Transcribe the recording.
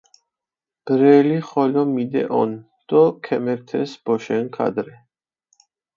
ბრელი ხოლო მიდეჸონ დო ქემერთეს ბოშენქ ადრე.